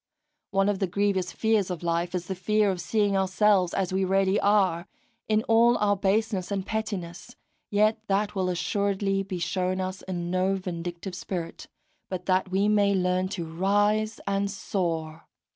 One of the grievous fears of life is the fear of seeing ourselves as we really are, in all our baseness and pettiness; yet that will assuredly be shown us in no vindictive spirit, but that we may learn to rise and soar.